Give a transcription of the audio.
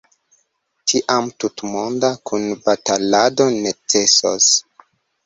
Tiam tutmonda kunbatalado necesos.